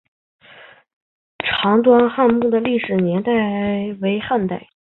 常庄汉墓的历史年代为汉代。